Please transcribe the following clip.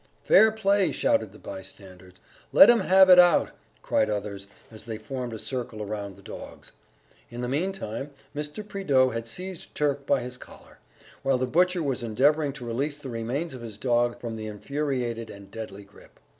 "Fair play!" shouted the bystanders.... "Let 'em have it out!" cried others, as they formed a circle around the dogs.... In the meantime, Mr. Prideaux had seized Turk by his collar, while the butcher was endeavouring to release the remains of his dog from the infuriated and deadly grip....